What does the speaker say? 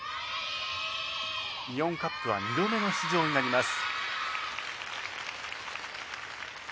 イオンカップは２度目の出場になります。